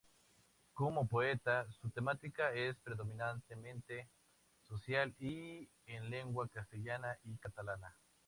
Como poeta, su temática es predominantemente social y en lengua castellana y catalana.